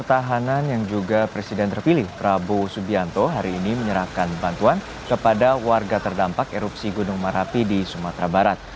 tahanan yang juga presiden terpilih prabowo subianto hari ini menyerahkan bantuan kepada warga terdampak erupsi gunung merapi di sumatera barat